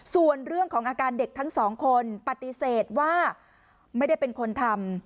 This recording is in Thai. ส่วนเรื่องของอาการเด็กทั้งสองคนปฏิเสธว่าไม่ได้เป็นคนทำ